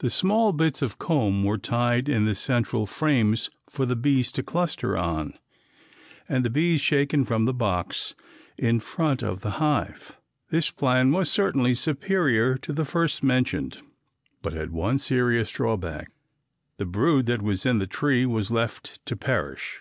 The small bits of comb were tied in the central frames for the bees to cluster on and the bees shaken from the box in front of the hive. This plan was certainly superior to the first mentioned but had one serious drawback the brood that was in the tree was left to perish.